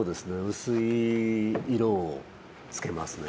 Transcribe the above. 薄い色を着けますね。